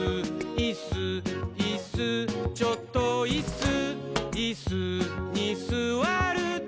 「いっすーいっすーちょっといっすー」「イスにすわると」